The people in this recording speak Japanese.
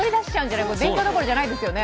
勉強どころじゃないですよね。